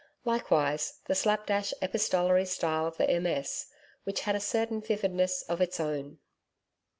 Likewise, the slapdash epistolary style of the MS., which had a certain vividness of its own.